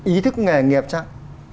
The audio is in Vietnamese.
ý thức nghề nghiệp chăng